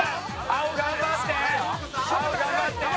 青頑張って！